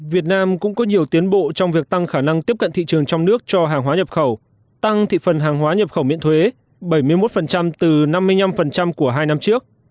việt nam cũng có nhiều tiến bộ trong việc tăng khả năng tiếp cận thị trường trong nước cho hàng hóa nhập khẩu tăng thị phần hàng hóa nhập khẩu miễn thuế bảy mươi một từ năm mươi năm của hai năm trước